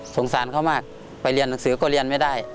สงสารเขามากไปเรียนหนังสือก็เรียนไม่ได้